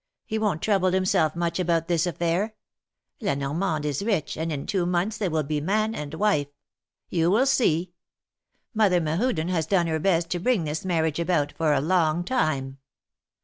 He won't trouble him self much about this affair. La Normande is rich, and in two months they will be man and wife. You will see. Mother Mehuden has done her best to bring this mar riage about for a long time."